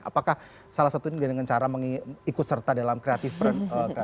apakah salah satunya dengan cara mengikut serta dalam kreatif peran